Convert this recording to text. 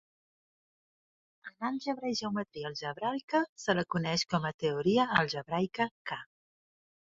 En àlgebra i geometria algebraica, se la coneix com a teoria algebraica K.